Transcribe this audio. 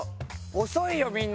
遅いよみんな！